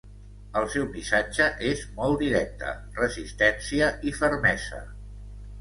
El seu missatge és molt directe: Resistència i fermesa.